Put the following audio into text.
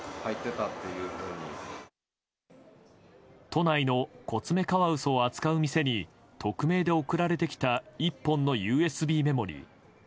都内のコツメカワウソを扱う店に匿名で送られてきた１本のＵＳＢメモリー。